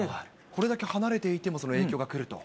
これだけ離れていても、その影響が来ると。